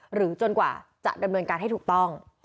จนกว่าจะดำเนินการให้ถูกต้อง